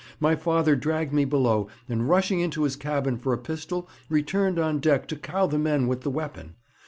My father dragged me below, and, rushing into his cabin for a pistol, returned on deck to cow the men with the weapon.